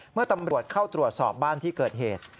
เมื่อตำรวจเข้าตรวจสอบบ้านที่เกิดเหตุ